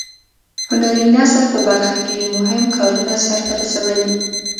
هنري نثر په برخه کې یې مهم کارونه سرته رسولي.